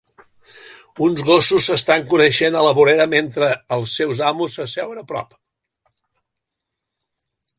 Uns gossos s'estan coneixent a la vorera mentre els seus amos s'asseuen a prop.